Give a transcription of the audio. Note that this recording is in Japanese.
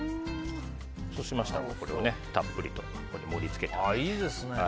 そうしましたらこれをたっぷりと盛り付けます。